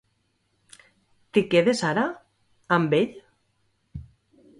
T'hi quedes ara, amb ell?